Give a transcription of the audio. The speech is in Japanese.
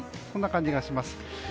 そんな感じがします。